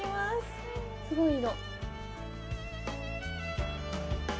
すごい色。